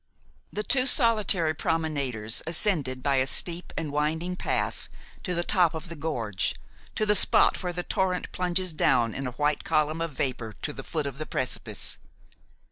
The two solitary promenaders ascended by a steep and winding path to the top of the gorge, to the spot where the torrent plunges down in a white column of vapor to the foot of the precipice.